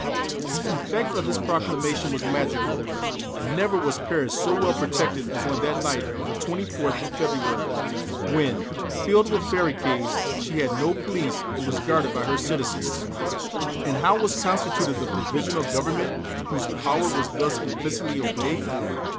The effect of this proclamation was magical. Never was Paris so well protected as on that night of the 24th of February, when, filled with barricades, she had no police and was guarded by her citizens. And how was constituted the Provisional Government whose power was thus implicitly obeyed?